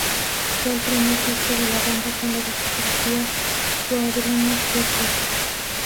Fue el primer disco de la banda con la discográfica Roadrunner Records.